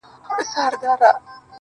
دلته مستي ورانوي دلته خاموشي ورانوي.